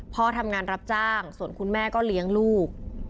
พ่อทำงานรับจ้างส่วนคุณแม่ก็เลี้ยงลูก